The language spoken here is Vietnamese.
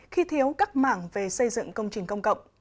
khi thiếu các mảng về xây dựng công trình công cộng